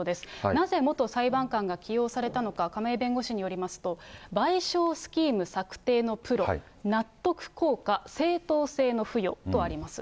なぜ元裁判官が起用されたのか、亀井弁護士によりますと、賠償スキーム策定のプロ、納得効果、正当性の付与とあります。